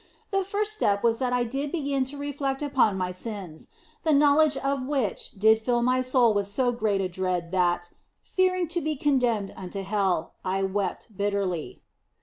The first step was that I did begin to reflect upon my sins, the knowledge of which did fill my soul with so great a dread that, fearing to be condemned unto hell, I wept bitterly.